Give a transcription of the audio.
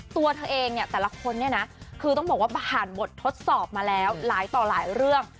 ตัวเธอเองเนี่ยแต่ละคนเนี่ยนะคือต้องบอกว่าผ่านบททดสอบมาแล้วหลายต่อหลายเรื่อง